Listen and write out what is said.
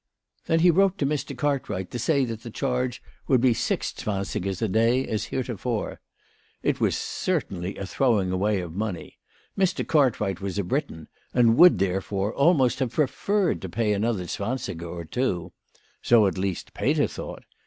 Then he wrote to Mr. Cartwright to say that the charge would be six zwansigers a day, as heretofore. It was certainly a throwing away of money. Mr. Cartwright was a Briton, and would, therefore, almost have pre ferred to pay another zwansiger or two. So at least Peter thought.